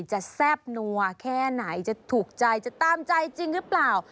แซ่บนัวแค่ไหนจะถูกใจจะตามใจจริงหรือเปล่า